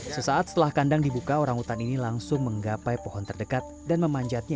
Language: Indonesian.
sesaat setelah kandang dibuka orang utan ini langsung menggapai pohon terdekat dan memanjatnya